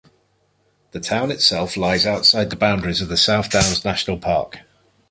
The town itself lies outside the boundaries of the South Downs National Park.